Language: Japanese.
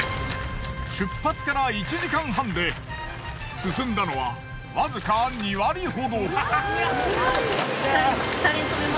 出発から１時間半で進んだのはわずか２割ほど。